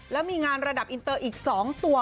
แล้วมีงานระดับอินเตอร์อีก๒ตัว